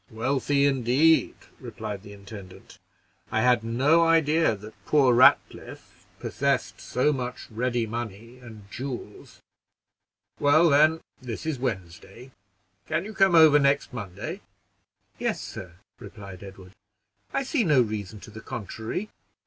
"Wealthy, indeed!" replied the intendant. "I had no idea that poor Ratcliffe possessed so much ready money and jewels. Well, then, this is Wednesday; can you come over next Monday?" "Yes, sir," replied Edward; "I see no reason to the contrary."